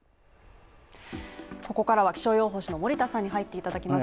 ここからは気象予報士の森田さんに入っていただきます。